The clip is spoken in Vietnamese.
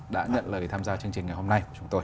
đã nhận lời tham gia chương trình ngày hôm nay của chúng tôi